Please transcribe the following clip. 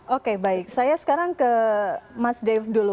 oke baik saya sekarang ke mas dave dulu